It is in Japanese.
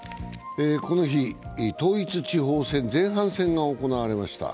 この日、統一地方選前半戦が行われました。